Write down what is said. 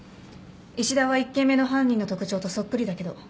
石田は１件目の犯人の特徴とそっくりだけど。